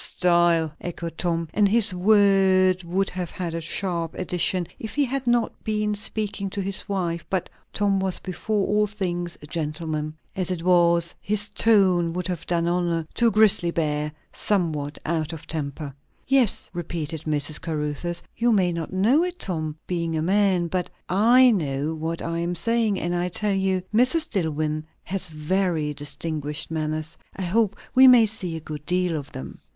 "Style!" echoed Tom, and his word would have had a sharp addition if he had not been speaking to his wife; but Tom was before all things a gentleman. As it was, his tone would have done honour to a grisly bear somewhat out of temper. "Yes," repeated Mrs. Caruthers. "You may not know it, Tom, being a man; but I know what I am saying; and I tell you Mrs. Dillwyn has very distinguished manners. I hope we may see a good deal of them."